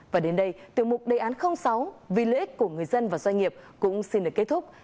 và đến đây tiêu mục đề án sáu vì lợi ích của người dân và doanh nghiệp cũng xin được kết thúc